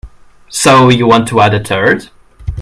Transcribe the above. So you want to add a third?